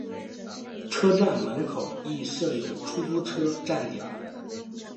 车站门口亦设有出租车站点。